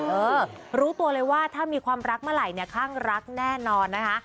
เออรู้ตัวเลยว่าถ้ามีความรักเมื่อไหร่เนี่ยข้างรักแน่นอนนะคะ